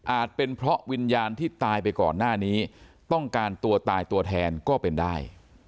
เป็นเพราะวิญญาณที่ตายไปก่อนหน้านี้ต้องการตัวตายตัวแทนก็เป็นได้